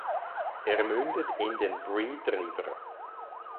Er mündet in den Breede River.